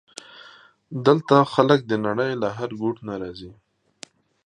دلته خلک د نړۍ له هر ګوټ نه راځي.